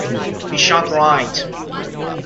He shot right.